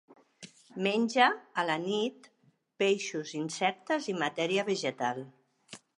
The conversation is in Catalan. Menja, a la nit, peixos, insectes i matèria vegetal.